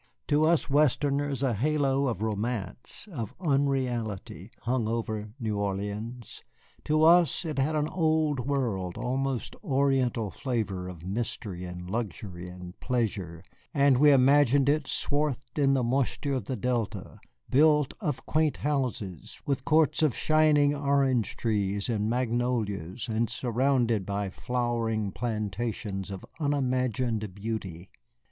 To us Westerners a halo of romance, of unreality, hung over New Orleans. To us it had an Old World, almost Oriental flavor of mystery and luxury and pleasure, and we imagined it swathed in the moisture of the Delta, built of quaint houses, with courts of shining orange trees and magnolias, and surrounded by flowering plantations of unimagined beauty.